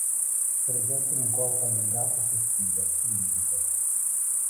Presentano un corpo allungato e sottile, cilindrico.